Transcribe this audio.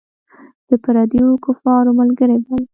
د پردیو کفارو ملګری باله.